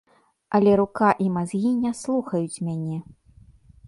Але рука і мазгі не слухаюць мяне.